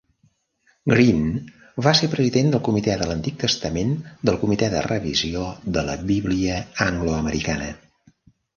Green va ser president del comitè de l'Antic Testament del comitè de revisió de la Bíblia angloamericana.